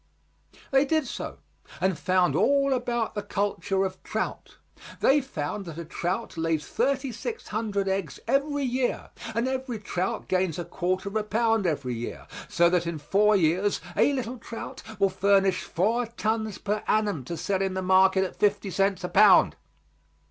They did so, and found all about the culture of trout. They found that a trout lays thirty six hundred eggs every year and every trout gains a quarter of a pound every year, so that in four years a little trout will furnish four tons per annum to sell to the market at fifty cents a pound.